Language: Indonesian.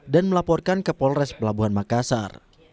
dan melaporkan ke polres pelabuhan makassar